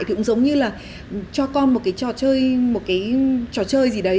thì cũng giống như là cho con một cái trò chơi một cái trò chơi gì đấy